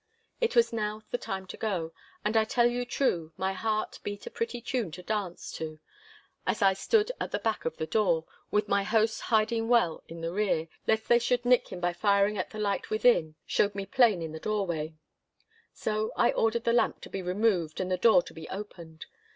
It was now the time to go, and I tell you true, my heart beat a pretty tune to dance to as I stood at the back of the door—with my host hiding well in the rear, lest they should nick him by firing as the light within showed me plain in the doorway. So I ordered the lamp to be removed and the door to be opened.